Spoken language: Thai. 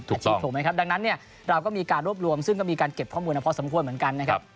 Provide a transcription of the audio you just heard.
ถูกไหมครับดังนั้นเนี่ยเราก็มีการรวบรวมซึ่งก็มีการเก็บข้อมูลมาพอสมควรเหมือนกันนะครับ